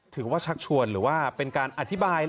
ชักชวนหรือว่าเป็นการอธิบาย